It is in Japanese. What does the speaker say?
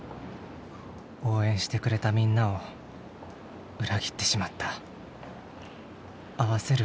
応援してくれたみんなを裏切ってしまった。